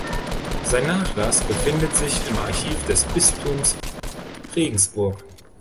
Sein Nachlass befindet sich im Archiv des Bistums Regensburg.